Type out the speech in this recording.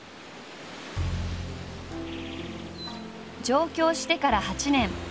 上京してから８年。